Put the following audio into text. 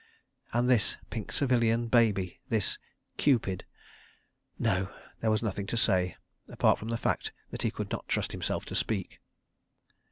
... And this pink civilian baby! This "Cupid"! No, there was nothing to say—apart from the fact that he could not trust himself to speak.